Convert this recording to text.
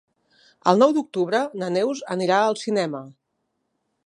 El nou d'octubre na Neus anirà al cinema.